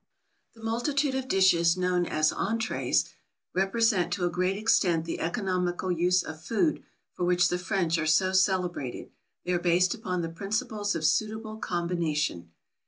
The multitude of dishes known as entrées, represent to a great extent the economical use of food for which the French are so celebrated; they are based upon the principles of suitable combination.